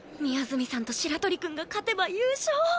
宮澄さんと白鳥くんが勝てば優勝！